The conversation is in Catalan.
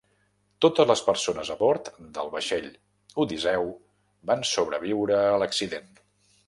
Totes les persones a bord del vaixell Odiseu van sobreviure a l"accident.